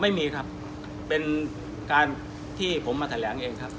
ไม่มีครับเป็นการที่ผมมาแถลงเองครับ